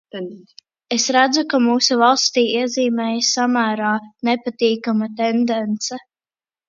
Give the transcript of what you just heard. Es redzu, ka mūsu valstī iezīmējas samērā nepatīkama tendence.